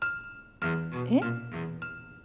えっ？